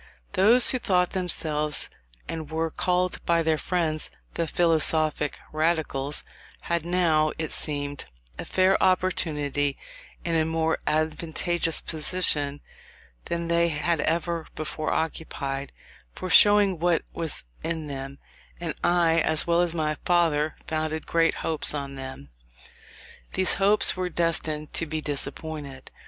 Those who thought themselves, and were called by their friends, the philosophic Radicals, had now, it seemed, a fair opportunity, in a more advantageous position than they had ever before occupied, for showing what was in them; and I, as well as my father, founded great hopes on them. These hopes were destined to be disappointed.